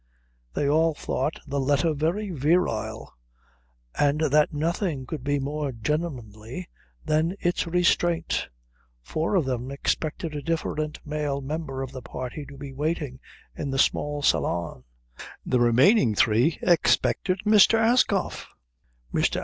They all thought the letter very virile, and that nothing could be more gentlemanly than its restraint. Four of them expected a different male member of the party to be waiting in the small salon, the remaining three expected Mr. Ascough. Mr.